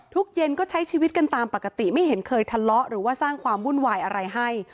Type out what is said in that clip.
เย็นก็ใช้ชีวิตกันตามปกติไม่เห็นเคยทะเลาะหรือว่าสร้างความวุ่นวายอะไรให้